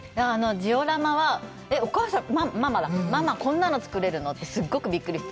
ジオラマは、お母さん、ママだ、ママ、こんなの作れるの！？ってすごくびっくりして。